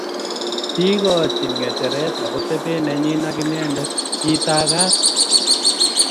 kiikochi ng'echeret ak kotebe nenyin ak inen.ii tagat!